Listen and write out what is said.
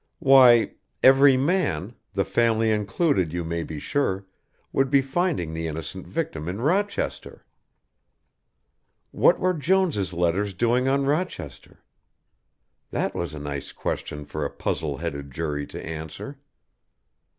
Why, every man, the family included you may be sure, would be finding the innocent victim in Rochester. What were Jones' letters doing on Rochester? That was a nice question for a puzzle headed jury to answer.